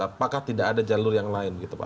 apakah tidak ada jalur yang lain begitu pak